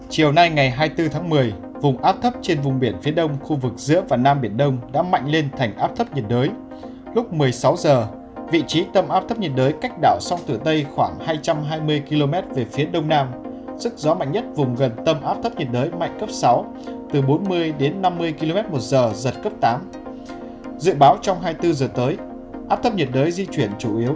hãy đăng ký kênh để ủng hộ kênh của chúng mình nhé